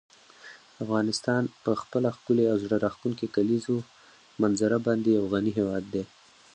افغانستان په خپله ښکلې او زړه راښکونکې کلیزو منظره باندې یو غني هېواد دی.